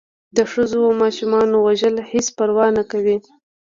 د ښځو و ماشومانو وژل هېڅ پروا نه کوي.